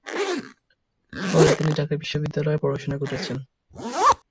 পরে তিনি ঢাকা বিশ্ববিদ্যালয়-এ পড়াশুনা করেছেন।